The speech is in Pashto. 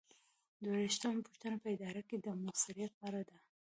درویشتمه پوښتنه په اداره کې د مؤثریت په اړه ده.